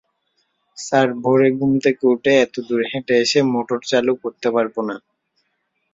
Sir, ভোরে ঘুম থেকে উঠে এতদূর হেঁটে এসে মোটর চালু করতে পারব না।